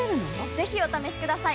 ぜひお試しください！